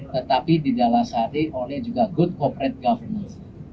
tetapi didalas hari oleh juga good corporate government